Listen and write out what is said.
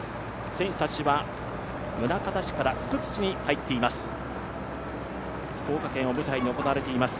選手たちは、宗像市から福津市に入っています。